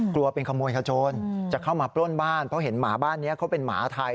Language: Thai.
กลัวเป็นขโมยขโจนจะเข้ามาปล้นบ้านเพราะเห็นหมาบ้านนี้เขาเป็นหมาไทย